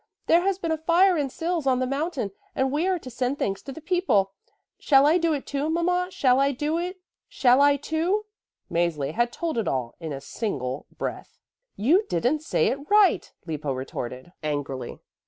There has been a fire in Sils on the mountain and we are to send things to the people. Shall I do it, too, Mama, shall I, too?" Mäzli had told it all in a single breath. "You didn't say it right," Lippo retorted angrily.